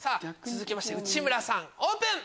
続きまして内村さんオープン！